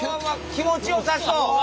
気持ちよさそう。